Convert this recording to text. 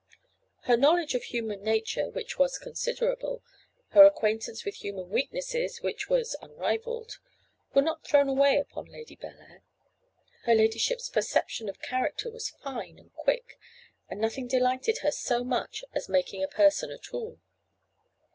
Her knowledge of human nature, which was considerable, her acquaintance with human weaknesses, which was unrivalled, were not thrown away upon Lady Bellair. Her ladyship's perception of character was fine and quick, and nothing delighted her so much as making a person a tool.